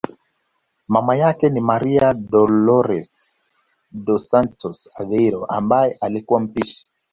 Mama yake ni Maria Dolores dos Santos Aveiro ambaye alikuwa mpishi